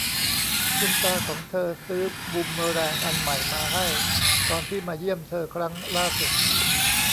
คุณตาของเธอซื้อบูมเมอแรงอันใหม่มาให้ตอนที่มาเยี่ยมเธอครั้งล่าสุด